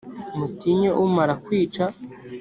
mutinye umara kwica.